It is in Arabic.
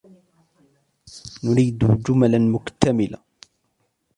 نريد جملا مكتملة.